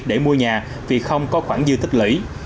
để mua nhà vì không có khoản dư tích lũy